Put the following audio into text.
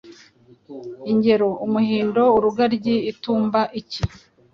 Ingero: Umuhindo, Urugaryi, Itumba, Iki.